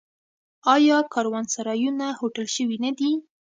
آیا کاروانسرایونه هوټل شوي نه دي؟